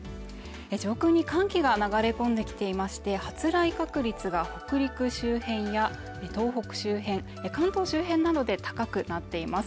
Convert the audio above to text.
上空に寒気が流れ込んできていまして発雷確率が北陸周辺や東北周辺関東周辺などで高くなっています。